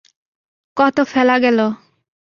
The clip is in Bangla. কত ফেলা গেল!